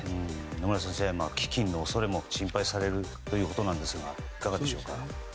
野村先生、飢饉の恐れも心配されるということですがいかがでしょうか？